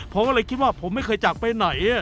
ผมก็เลยคิดว่าผมไม่เคยจากไปไหน